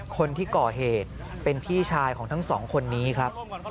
คนที่ก่อเหตุเป็นพี่ชายของทั้งสองคนนี้ครับ